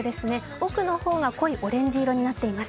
奥の方が濃いオレンジ色になっています。